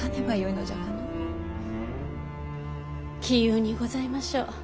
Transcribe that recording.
杞憂にございましょう。